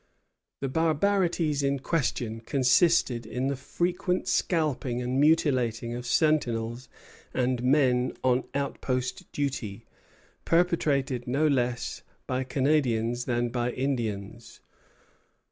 The barbarities in question consisted in the frequent scalping and mutilating of sentinels and men on outpost duty, perpetrated no less by Canadians than by Indians.